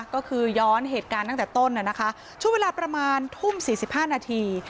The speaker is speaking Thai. ก็คือย้อนเหตุการณ์ตั้งแต่ต้นนะคะช่วงเวลาประมาณทุ่ม๔๕นาที